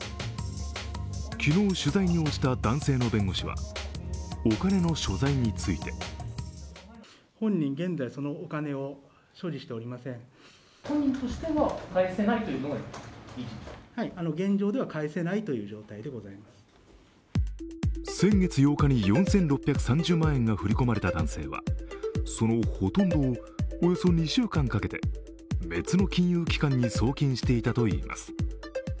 昨日、取材に応じた男性の弁護士はお金の所在について先月８日に４６３０万円が振り込まれた男性はそのほとんどをおよそ２週間かけて別の金融機関に送金していたといいます。